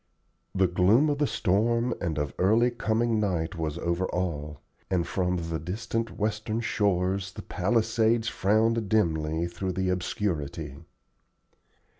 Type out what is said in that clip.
The gloom of the storm and of early coming night was over all, and from the distant western shores the Palisades frowned dimly through the obscurity.